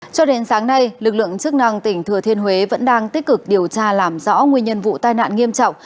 cho đến sáng nay lực lượng chức năng tỉnh thừa thiên huế vẫn đang tích cực điều tra làm rõ nguyên nhân vụ tai nạn nghiêm trọng